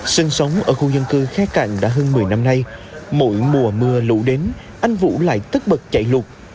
sân sống ở khu dân cư khe cạn đã hơn một mươi năm nay mỗi mùa mưa lũ đến anh vũ lại tất bật chạy lụt